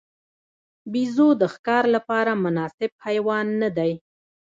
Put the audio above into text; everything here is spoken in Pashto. بیزو د ښکار لپاره مناسب حیوان نه دی.